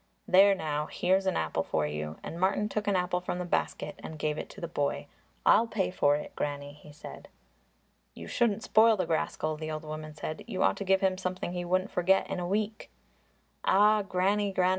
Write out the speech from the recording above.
"There now, here's an apple for you," and Martin took an apple from the basket and gave it to the boy. "I'll pay for it, Granny," he said. "You shouldn't spoil the rascal," the old woman said. "You ought to give him something he wouldn't forget in a week." "Ah, Granny, Granny!"